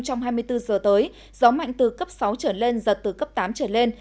trong hai mươi bốn giờ tới gió mạnh từ cấp sáu trở lên giật từ cấp tám trở lên